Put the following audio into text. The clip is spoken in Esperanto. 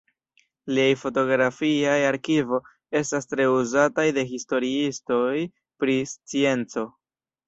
Liaj fotografiaj arkivo estas tre uzataj de historiistoj pri scienco.